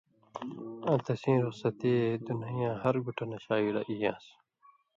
آں تسیں رُخصتی اے دُنَیں یاں ہر گُٹہ نہ شاگڑہ ای یان٘س